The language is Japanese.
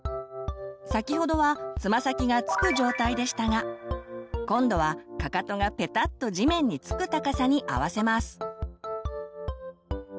先ほどはつま先が着く状態でしたが今度はかかとがペタッと地面に着く高さに合わせます。